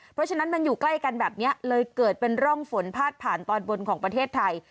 เพราะฉะนั้นมันอยู่ใกล้กันแบบนี้เลยเกิดเป็นร่องฝนพาดผ่านตอนบนของประเทศไทย